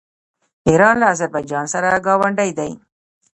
ایران له اذربایجان سره ګاونډی دی.